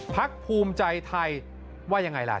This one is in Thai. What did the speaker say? พักภูมิใจไทยว่ายังไงล่ะ